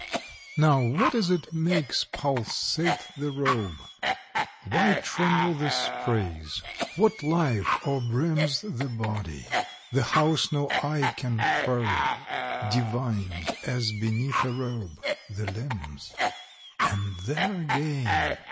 Now, what is it makes pulsate the robe? Why tremble the sprays? What life o'erbrims The body, the house, no eye can probe, Divined as, beneath a robe, the limbs? And there again!